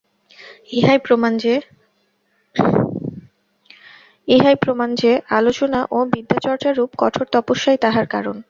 ইহাই প্রমাণ যে, আলোচনা ও বিদ্যাচর্চারূপ কঠোর তপস্যাই তাহার কারণ।